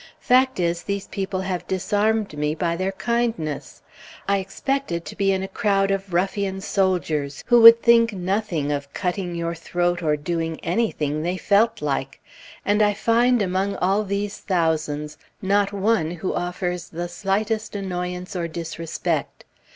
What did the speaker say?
Fact is, these people have disarmed me by their kindness. I expected to be in a crowd of ruffian soldiers, who would think nothing of cutting your throat or doing anything they felt like; and I find, among all these thousands, not one who offers the slightest annoyance or disrespect.